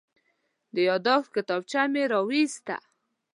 د یادښت کتابچه مې راوویسته.